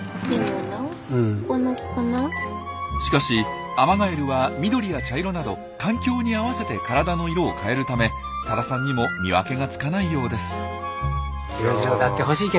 しかしアマガエルは緑や茶色など環境に合わせて体の色を変えるため多田さんにも見分けがつかないようです。